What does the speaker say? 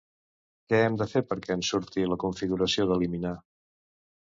Què hem de fer perquè ens surti la configuració d'eliminar?